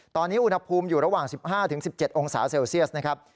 ตอนนี้อุณหภูมิอยู่ระหว่าง๑๕๑๗องศาเซลเซียสนะครับ